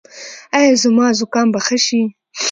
ایا زما زکام به ښه شي؟